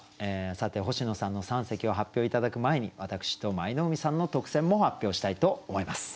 さて星野さんの三席を発表頂く前に私と舞の海さんの特選も発表したいと思います。